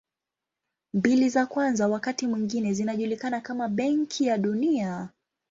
Mbili za kwanza wakati mwingine zinajulikana kama Benki ya Dunia.